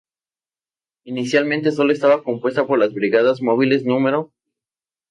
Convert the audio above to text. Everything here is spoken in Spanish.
Inicialmente sólo estaba compuesta por las Brigadas Móviles No.